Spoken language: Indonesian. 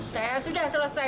saya sudah selesai